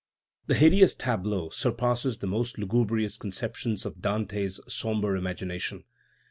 The hideous tableau surpasses the most lugubrious conceptions of Dante's sombre imagination.